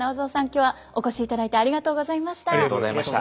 今日はお越しいただいてありがとうございました。